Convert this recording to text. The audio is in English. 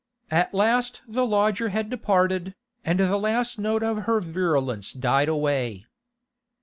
At last the lodger had departed, and the last note of her virulence died away.